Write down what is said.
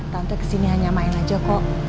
tante kesini hanya main aja kok